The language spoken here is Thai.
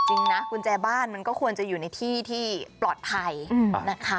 จริงนะกุญแจบ้านมันก็ควรจะอยู่ในที่ที่ปลอดภัยนะคะ